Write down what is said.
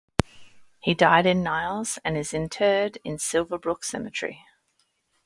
He died in Niles and is interred in Silverbrook Cemetery.